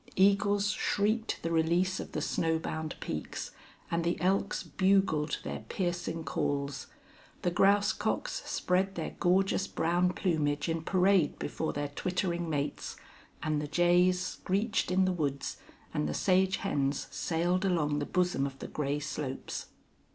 Eagles shrieked the release of the snow bound peaks, and the elks bugled their piercing calls. The grouse cocks spread their gorgeous brown plumage in parade before their twittering mates, and the jays screeched in the woods, and the sage hens sailed along the bosom of the gray slopes.